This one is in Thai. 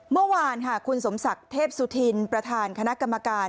เมื่อวานค่ะคุณสมศักดิ์เทพสุธินประธานคณะกรรมการ